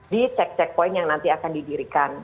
di check checkpoint yang nanti akan didirikan